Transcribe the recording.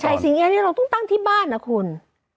ชัยสิงแยนี่เราต้องตั้งที่บ้านด่ะคุณ